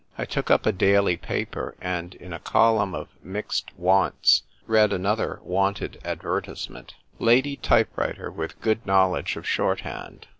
I took up a daily paper and, in a column of mixed wants, read another "Wanted" advertisement: "Lady type writer, with good knowledge of shorthand.